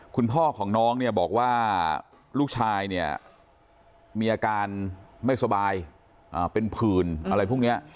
คุณพ่อของน้องบอกว่าลูกชายมีอาการไม่สบายเป็นพืนอะไรพวกนี้